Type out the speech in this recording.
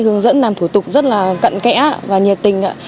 hướng dẫn làm thủ tục rất là cận kẽ và nhiệt tình